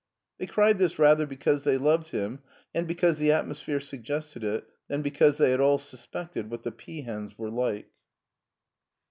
They cried this rather because they loved him, and because the atmosphere suggested it, than because they at all suspected what the peahens were like.